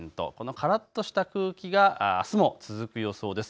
からっとした空気があすも続く予想です。